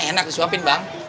enak disuapin bang